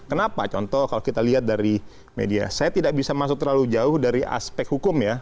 kenapa contoh kalau kita lihat dari media saya tidak bisa masuk terlalu jauh dari aspek hukum ya